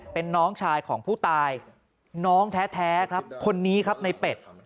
เป็นน้องชายของผู้ตายน้องแท้ครับคนนี้ครับในเป็ด